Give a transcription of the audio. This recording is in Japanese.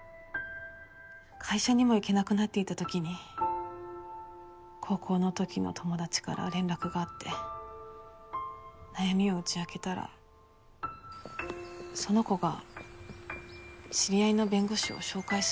会社にも行けなくなっていた時に高校の時の友達から連絡があって悩みを打ち明けたらその子が知り合いの弁護士を紹介すると言ってくれたんです。